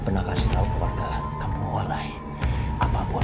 terima kasih telah penonton